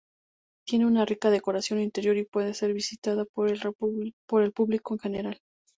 Tiene una rica decoración interior y puede ser visitada por el público en general.